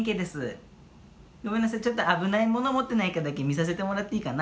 ごめんなさいちょっと危ないもの持ってないかだけ見させてもらっていいかな？